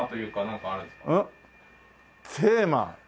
テーマ。